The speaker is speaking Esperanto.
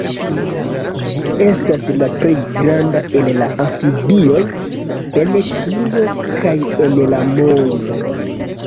Ĝi estas la plej granda el la amfibioj en Ĉinio kaj en la mondo.